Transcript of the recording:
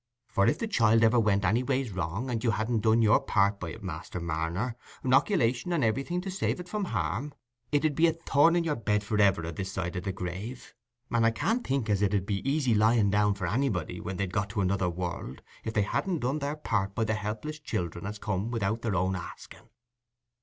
For if the child ever went anyways wrong, and you hadn't done your part by it, Master Marner—'noculation, and everything to save it from harm—it 'ud be a thorn i' your bed for ever o' this side the grave; and I can't think as it 'ud be easy lying down for anybody when they'd got to another world, if they hadn't done their part by the helpless children as come wi'out their own asking."